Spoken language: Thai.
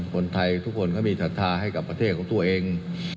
คนไทยทุกคนก็มีศรัทธาให้กับประเทศของตัวเอง